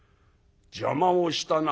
邪魔をしたな」。